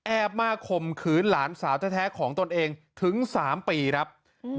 แอบมาคมคืนหลานสาวแท้แท้ของตนเองถึงสามปีครับอืม